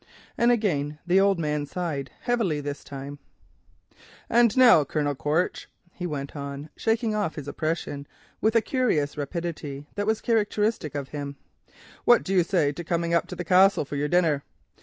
And again the old man sighed, heavily this time. "And now, Colonel Quaritch," he went on, shaking off his oppression with a curious rapidity that was characteristic of him, "what do you say to coming up to the Castle for your dinner?